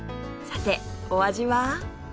さてお味は？